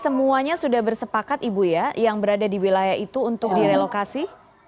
semuanya sudah bersepakat ibu ya yang berada di wilayah itu untuk direlokasi